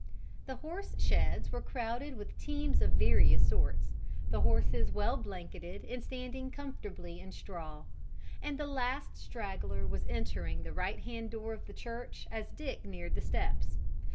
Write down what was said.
The horse sheds were crowded with teams of various sorts, the horses well blanketed and standing comfortably in straw; and the last straggler was entering the right hand door of the church as Dick neared the steps.